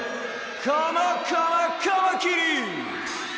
「カマカマカマキリ」！